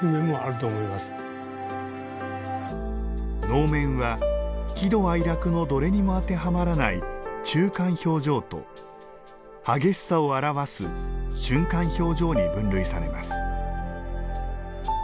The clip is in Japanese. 能面は、喜怒哀楽のどれにも当てはまらない中間表情と激しさを表す瞬間表情に分類されます。